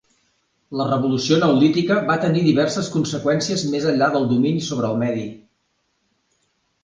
La revolució neolítica va tenir diverses conseqüències més enllà del domini sobre el medi.